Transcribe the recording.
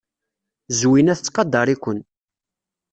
Zwina tettqadar-iken.